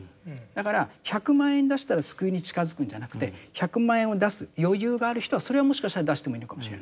だから１００万円出したら救いに近づくんじゃなくて１００万円を出す余裕がある人はそれはもしかしたら出してもいいのかもしれない。